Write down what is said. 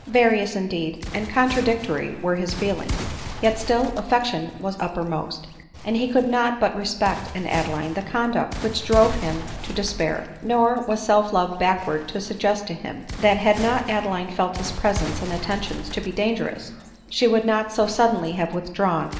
Various, indeed, and contradictory were his feelings ; yet still affection was uppermost ; and he could not but respect in Adeline the conduct which drove him to de spair. Nor was self love backward to suggest to him, that had not Adeline felt his presence and attentions to be dangerous, she would not so suddenly have withdrawn \ ADELINE MOWBRAY.